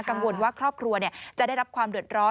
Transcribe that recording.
กังวลว่าครอบครัวจะได้รับความเดือดร้อน